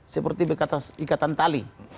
seperti bekas ikatan tali